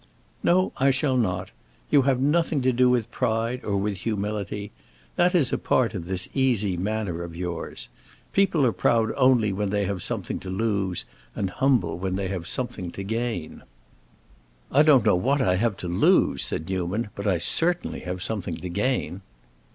"No, I shall not. You have nothing to do with pride, or with humility—that is a part of this easy manner of yours. People are proud only when they have something to lose, and humble when they have something to gain." "I don't know what I have to lose," said Newman, "but I certainly have something to gain."